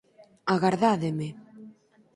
Agardádeme.